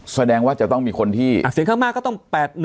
แสดงว่าจะต้องมีคนที่เสียงข้างมากก็ต้อง๘๑